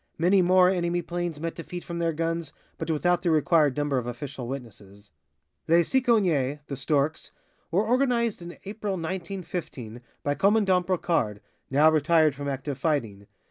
Many more enemy planes met defeat from their guns, but without the required number of official witnesses. "Les Cicognes" (The Storks) were organized in April, 1915, by Commandant Brocard, now retired from active fighting.